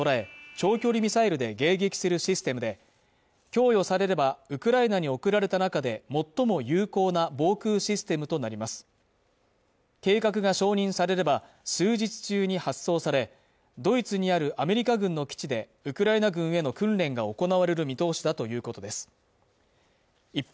パトリオットは高性能レーダーで飛来するミサイルや飛行機を捉え長距離ミサイルで迎撃するシステムで供与されればウクライナに送られた中で最も有効な防空システムとなります計画が承認されれば数日中に発送されドイツにあるアメリカ軍の基地でウクライナ軍への訓練が行われる見通しだということです